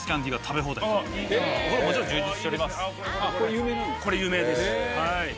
これ有名ですはい。